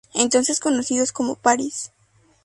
Entonces conocidos como Paris.